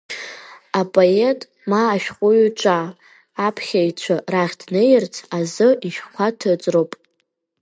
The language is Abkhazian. Апоет, ма ашәҟәыҩҩы ҿа аԥхьаҩцәа рахь днеирц азы ишәҟәқәа ҭыҵроуп.